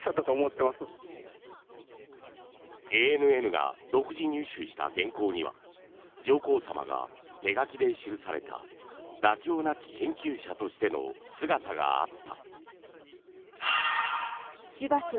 ＡＮＮが独自入手した原稿には上皇さまが手書きで記された妥協なき研究者としての姿があった。